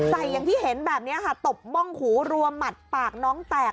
อย่างที่เห็นแบบนี้ค่ะตบบ้องหูรวมหมัดปากน้องแตก